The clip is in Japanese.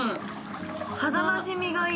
肌なじみがいい・